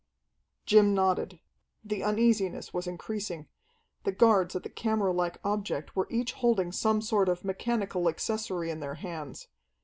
Jim nodded. The uneasiness was increasing. The guards at the camera like object were each holding some sort of mechanical accessory in their hands.